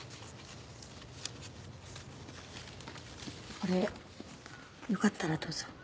これよかったらどうぞ。